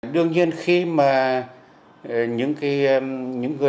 đương nhiên khi mà những người